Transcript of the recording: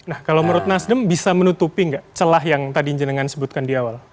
nah kalau menurut nasdem bisa menutupi nggak celah yang tadi jenengan sebutkan di awal